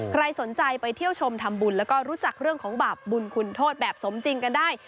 ใครสนใจไปเที่ยวชมทำบุญแล้วก็รู้จักเรื่องของบาปบุญคุณโทษแบบสมจริงกันได้